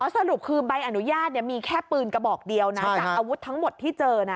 สรุปคือใบอนุญาตมีแค่ปืนกระบอกเดียวนะจากอาวุธทั้งหมดที่เจอนะ